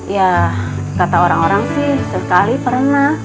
ya kata orang orang sih sesekali pernah